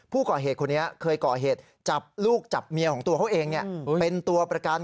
ตรงนั้นเข้ากราการขอเหตุของผู้หญิงคนต้องอย่างความเป็นคนถึง